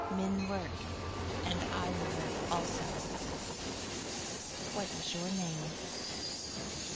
"Men work, and I will work also." "What is your name?"